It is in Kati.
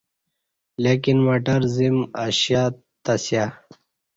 لیکن مٹر زیم اشہ تسیا